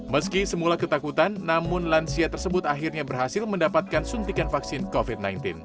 meski semula ketakutan namun lansia tersebut akhirnya berhasil mendapatkan suntikan vaksin covid sembilan belas